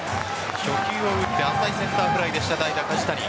初球を打って浅いセンターフライでした代打・梶谷。